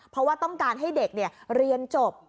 เพราะว่าต้องการให้เด็กเรียนจบ